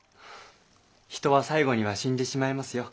人は最後には死んでしまいますよ。